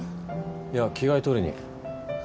いや着替え取りに。